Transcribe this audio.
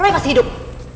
roy masih hidup